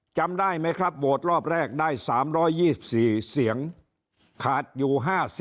จำได้ไหมครับโหวตรอบแรกได้๓๒๔เสียงขาดอยู่๕๐